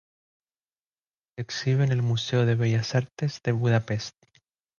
Se exhibe en el Museo de Bellas Artes de Budapest.